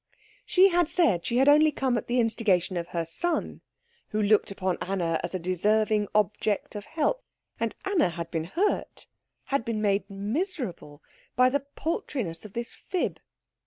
She had said she had only come at the instigation of her son, who looked upon Anna as a deserving object of help. And Anna had been hurt, had been made miserable, by the paltriness of this fib.